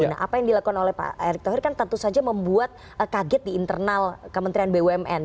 nah apa yang dilakukan oleh pak erick thohir kan tentu saja membuat kaget di internal kementerian bumn